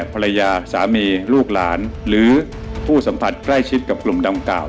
ภรรยาสามีลูกหลานหรือผู้สัมผัสใกล้ชิดกับกลุ่มดังกล่าว